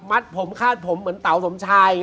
ผมคาดผมเหมือนเต๋าสมชาย